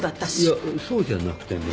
いやそうじゃなくてね。